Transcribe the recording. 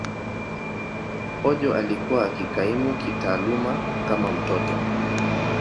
Ojo alikuwa akikaimu kitaaluma kama mtoto.